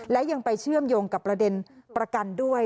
และยังไปเชื่อมโยงกับประเด็นประกันด้วย